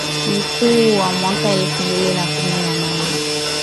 mkuu wa mwaka elfu mbili na kumi na nane